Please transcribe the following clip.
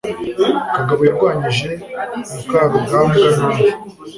kagabo yarwanyije mukarugambwa nabi